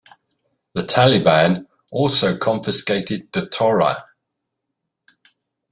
The Taliban also confiscated the Torah.